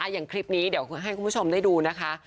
อย่างคลิปนี้เดี๋ยวให้คุณผู้ชมได้ดูนะคะ